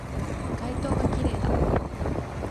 街灯が綺麗だ